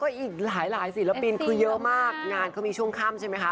อีกหลายศิลปินคือเยอะมากงานเขามีช่วงค่ำใช่ไหมคะ